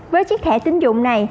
với chiếc thẻ tín dụng này